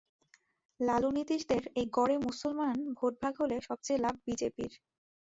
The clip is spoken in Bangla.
লালু নিতীশদের এই গড়ে মুসলমান ভোট ভাগ হলে সবচেয়ে লাভ বিজেপির।